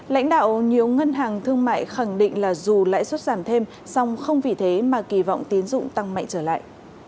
lãnh đạo nhiều ngân hàng thương mại khẳng định là dù lãi suất giảm thêm song không vì thế mà kỳ vọng tiến dụng tăng mạnh trở lại